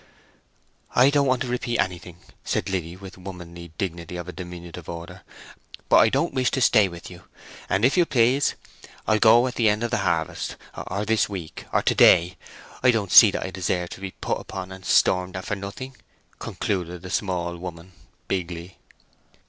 "I don't want to repeat anything," said Liddy, with womanly dignity of a diminutive order; "but I don't wish to stay with you. And, if you please, I'll go at the end of the harvest, or this week, or to day.... I don't see that I deserve to be put upon and stormed at for nothing!" concluded the small woman, bigly.